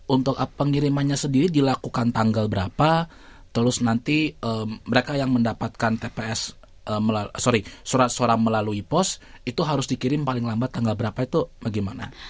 untuk pengirimannya sendiri dilakukan tanggal berapa terus nanti mereka yang mendapatkan tps sorry surat suara melalui pos itu harus dikirim paling lambat tanggal berapa itu bagaimana